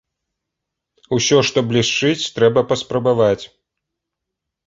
Усё, што блішчыць, трэба паспрабаваць.